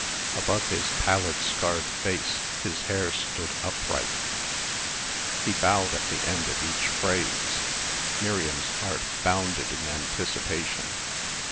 Above his pallid scarred face his hair stood upright. He bowed at the end of each phrase. Miriam's heart bounded in anticipation.